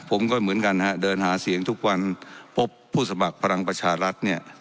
ผมก็เหมือนกันฮะเดินหาเสียงทุกวันพบผู้สมัครพลังประชารัฐเนี่ย